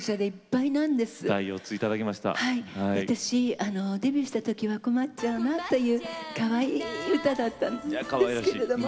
私あのデビューした時は「こまっちゃうナ」というかわいい歌だったんですけれども。